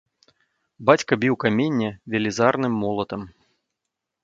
Бацька біў каменне велізарным молатам.